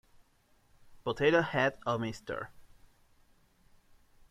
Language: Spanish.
Potato Head o Mr.